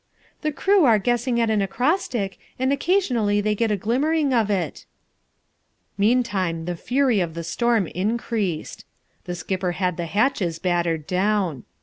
"The crew are guessing at an acrostic, and occasionally they get a glimmering of it." Meantime the fury of the storm increased. The skipper had the hatches battered down.